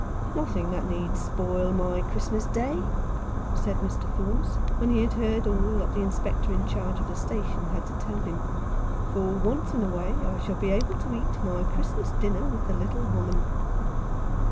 "Nothing that need spoil my Christmas Day!" said Mr. Faunce, when he had heard all that the Inspector in charge of the station had to tell him. 86 At Number Thirteen, Dynevor Street. "For once in a way I shall be able to eat my Christmas dinner with the little woman